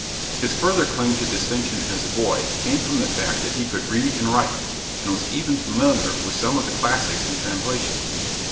His further claim to distinction as a boy came from the fact that he could read and write, and was even familiar with some of the classics in translation.